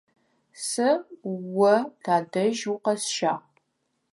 Сэ о тадэжь укъэсщагъ.